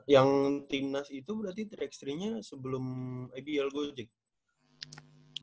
yang tinas itu berarti straight streetnya sebelum ibl gojek